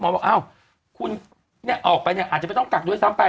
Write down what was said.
บอกอ้าวคุณเนี่ยออกไปเนี่ยอาจจะไม่ต้องกักด้วยซ้ำไป